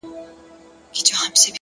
مثبت انسان الهام خپروي,